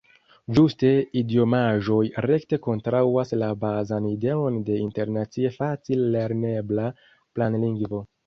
Ĝuste idiomaĵoj rekte kontraŭas la bazan ideon de internacie facil-lernebla planlingvo.